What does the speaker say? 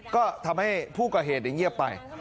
ก็ทำให้ผู้ก่อเหตุเงียบไป